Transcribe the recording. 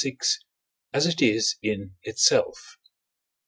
as it is in itself.